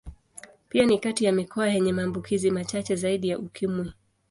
Pia ni kati ya mikoa yenye maambukizi machache zaidi ya Ukimwi.